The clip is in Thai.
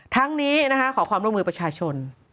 ทั้งนี้ขอความร่วมมือประชาชน